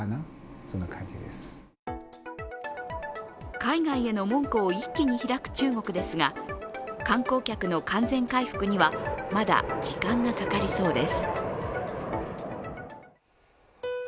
海外への門戸を一気に開く中国ですが観光客の完全回復にはまだ時間がかかりそうです。